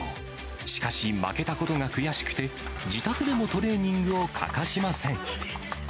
しかし、負けたことが悔しくて、自宅でもトレーニングを欠かしません。